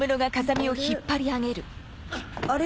あれ？